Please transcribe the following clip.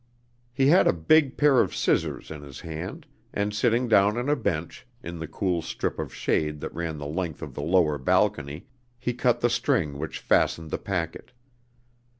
He had a big pair of scissors in his hand; and sitting down on a bench, in the cool strip of shade that ran the length of the lower balcony, he cut the string which fastened the packet.